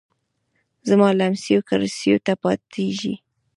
زما لمسیو کړوسیو ته پاتیږي